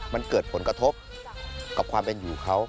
มันเกิดผลกระทบกับความเป็นอยู่เขา